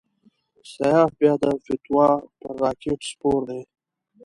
سیاف بیا د فتوی پر راکېټ سپور دی.